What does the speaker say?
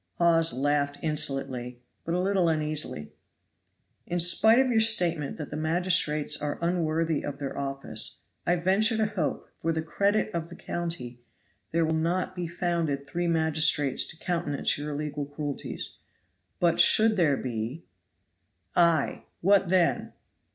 Hawes laughed insolently, but a little uneasily. "In spite of your statement that the magistrates are unworthy of their office, I venture to hope, for the credit of the county, there will not be found three magistrates to countenance your illegal cruelties. But should there be " "Ay; what then?"